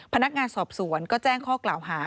พนักงานสอบสวนก็แจ้งข้อกล่าวหา